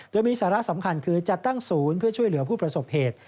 โดยมีสาระสำคัญคือจัดตั้งศูนย์เพื่อช่วยเหลือผู้ประสบเหตุ